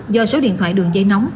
do số điện thoại đường dây nóng